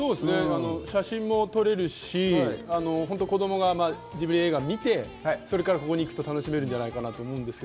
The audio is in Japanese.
写真も撮れるし、子供がジブリ映画見て、それからここに行くと楽しめるんじゃないかと思います。